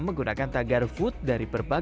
menggunakan tagar food dari berbagai